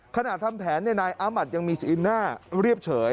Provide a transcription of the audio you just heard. ขณะทำแผนเนี่ยนายอามัดยังมีสีหน้าเรียบเฉย